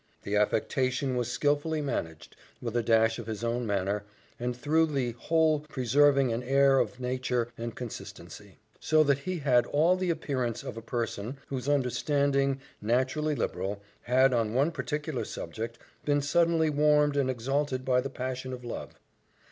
The affectation was skilfully managed, with a dash of his own manner, and through the whole preserving an air of nature and consistency: so that he had all the appearance of a person whose understanding, naturally liberal, had, on one particular subject, been suddenly warmed and exalted by the passion of love.